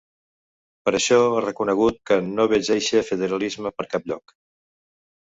Per això, ha reconegut que ‘no veig eixe federalisme per cap lloc’.